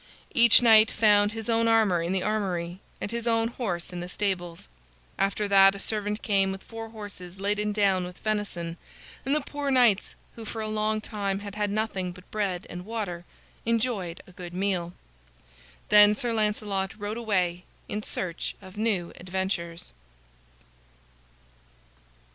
Each knight found his own armor in the armory, and his own horse in the stables. After that a servant came with four horses laden down with venison, and the poor knights, who for a long time had had nothing but bread and water, enjoyed a good meal. Then Sir Lancelot rode away in search of new adventures.